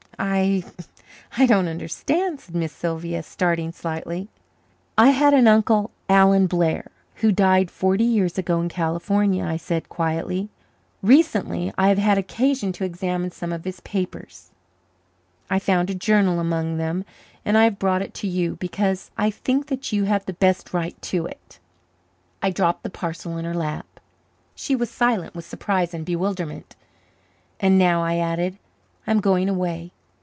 "I I don't understand," said Miss Sylvia, starting slightly. "I had an uncle, Alan Blair, who died forty years ago in California," I said quietly. "Recently I have had occasion to examine some of his papers. I found a journal among them and I have brought it to you because I think that you have the best right to it." I dropped the parcel in her lap. She was silent with surprise and bewilderment. "And now," I added, "I am going away.